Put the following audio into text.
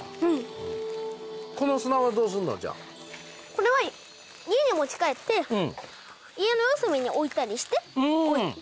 これは家に持ち帰って家の四隅に置いたりしてで祀るといい。